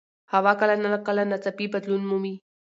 هوا کله ناکله ناڅاپي بدلون مومي